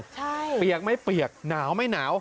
ใช่เปียกไม่เปียกหนาวไม่หนาว